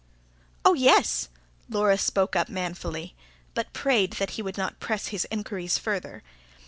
"Oh, yes." Laura spoke up manfully; but prayed that he would not press his inquiries further.